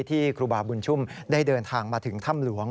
ครูบาบุญชุ่มได้เดินทางมาถึงถ้ำหลวง